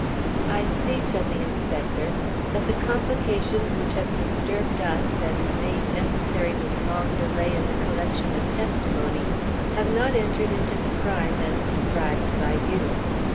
"I see," said the inspector, "that the complications which have disturbed us and made necessary this long delay in the collection of testimony have not entered into the crime as described by you.